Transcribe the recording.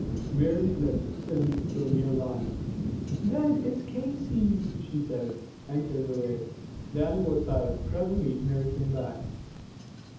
Mary's lips thinned to a mere line. "Then it's Casey's," she said, and turned away. Dannie was silent. Presently Mary came back.